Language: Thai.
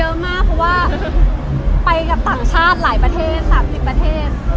เยอะมากเพราะว่าไปกับต่างชาติหลายประเทศ๓๐ประเทศ